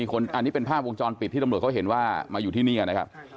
อันนี้เป็นภาพวงจรปิดที่ตำรวจเขาเห็นว่ามาอยู่ที่นี่นะครับ